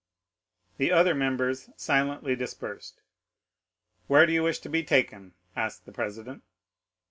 The other members silently dispersed. "Where do you wish to be taken?" asked the president.